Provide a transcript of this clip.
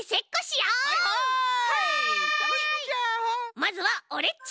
まずはオレっち！